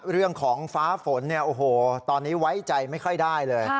เรื่องของฟ้าฝนตอนนี้ไว้ใจไม่ค่อยได้เลย